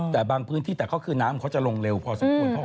แต่บางพื้นที่ก็คือน้ำเนียมแล้วก็จะลงเร็วผม